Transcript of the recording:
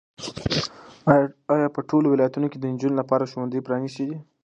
ایا په ټولو ولایتونو کې د نجونو لپاره ښوونځي پرانیستي دي؟